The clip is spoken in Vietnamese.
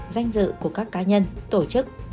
danh dự của các người